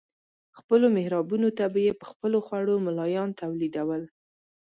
خپلو محرابونو ته به یې په خپلو خوړو ملایان تولیدول.